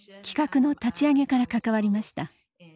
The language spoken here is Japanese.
企画の立ち上げから関わりました。